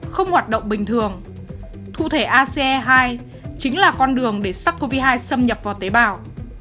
không hoạt động bình thường cụ thể ace hai chính là con đường để sars cov hai xâm nhập vào tế bào